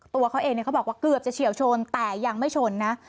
ตัวเขาเองเขาบอกว่าเกือบจะเฉียวชนแต่ยังไม่ชนนะ